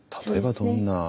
例えばどんな？